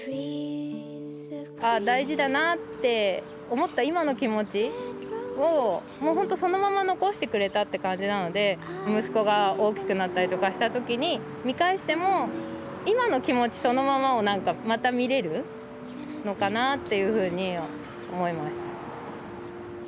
「あぁ大事だな」って思った今の気持ちをもうほんとそのまま残してくれたって感じなので息子が大きくなったりとかした時に見返しても今の気持ちそのままをまた見れるのかなっていうふうに思いました。